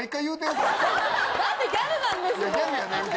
だってギャルなんですもん！